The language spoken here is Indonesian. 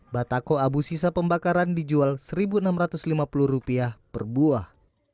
batako abu sisa pembakaran dijual seribu enam ratus lima puluh rupiah per buah